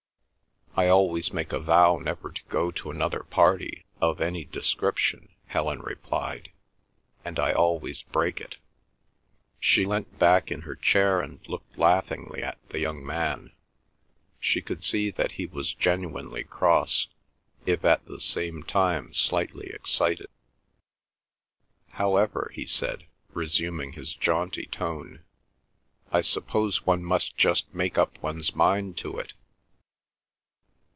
"I always make a vow never to go to another party of any description," Helen replied, "and I always break it." She leant back in her chair and looked laughingly at the young man. She could see that he was genuinely cross, if at the same time slightly excited. "However," he said, resuming his jaunty tone, "I suppose one must just make up one's mind to it."